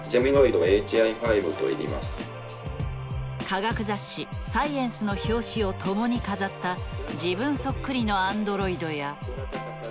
科学雑誌「Ｓｃｉｅｎｃｅ」の表紙を共に飾った自分そっくりのアンドロイドや。